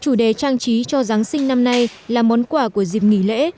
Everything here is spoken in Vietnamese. chủ đề trang trí cho giáng sinh năm nay là món quà của dịp nghỉ lễ